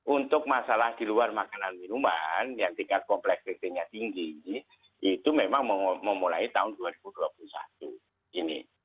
untuk masalah di luar makanan minuman yang tingkat kompleks ratingnya tinggi itu memang memulai tahun dua ribu dua puluh satu ini